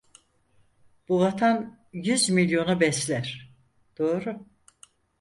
Bu vatan yüz milyonu besler, doğru!